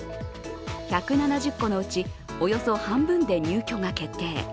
１７０戸のうちおよそ半分で入居が決定。